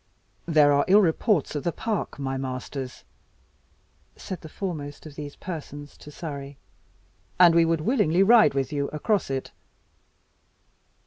"There are ill reports of the park, my masters," said the foremost of these persons to Surrey, "and we would willingly ride with you across it."